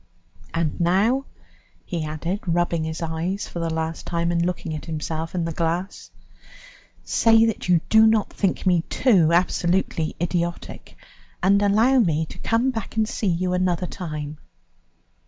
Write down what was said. And now," he added, rubbing his eyes for the last time, and looking at himself in the glass, "say that you do not think me too absolutely idiotic, and allow me to come back and see you another time."